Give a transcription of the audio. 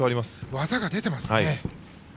技が出ていますね。